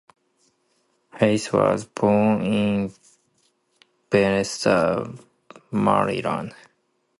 Hays was born in Bethesda, Maryland.